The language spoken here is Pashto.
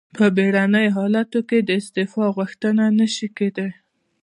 په بیړنیو حالاتو کې د استعفا غوښتنه نشي کیدای.